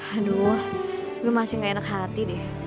aduh gue masih gak enak hati deh